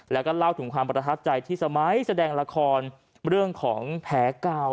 แล้วก็เล่าถึงความประทับใจที่สมัยแสดงละครเรื่องของแผลเก่า